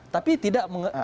tapi tidak meninggalkan